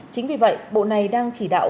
chính vì vậy bộ này đang chỉ đạo